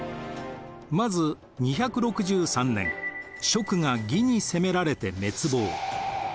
まず２６３年蜀が魏に攻められて滅亡。